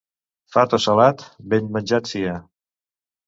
Fat o salat, ben menjat sia.